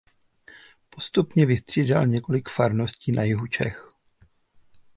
Postupně vystřídal několik farností na jihu Čech.